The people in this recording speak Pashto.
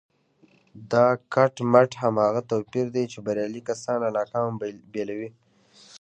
دا کټ مټ هماغه توپير دی چې بريالي کسان له ناکامو بېلوي.